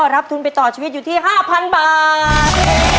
รับทุนไปต่อชีวิตอยู่ที่๕๐๐๐บาท